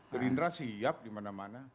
gerindra siap dimana mana